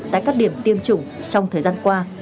tại các điểm tiêm chủng trong thời gian qua